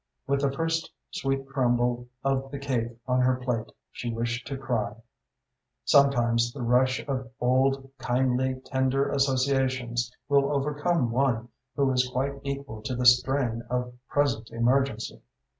With the first sweet crumble of the cake on her plate, she wished to cry. Sometimes the rush of old, kindly, tender associations will overcome one who is quite equal to the strain of present emergency.